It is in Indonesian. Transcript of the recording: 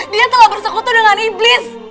dia telah bersekutu dengan iblis